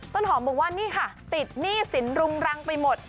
ต้นหอมบอกว่านี่ค่ะติดหนี้สินรุงรังไปหมด